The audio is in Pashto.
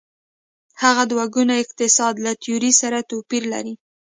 هغه دوه ګونی اقتصاد له تیورۍ سره توپیر لري.